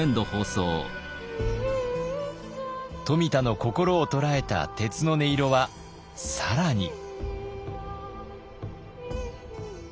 冨田の心を捉えた鉄の音色は更に。